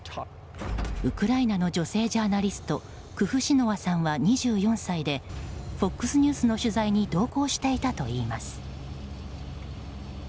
ウクライナの女性ジャーナリストクフシノワさんは２４歳でＦＯＸニュースの取材に同行していたといいます。